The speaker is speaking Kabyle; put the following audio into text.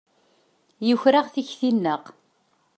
Yuker-aɣ tikti-nneɣ.